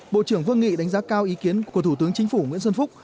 bộ trưởng vương nghị đánh giá cao ý kiến của thủ tướng chính phủ nguyễn xuân phúc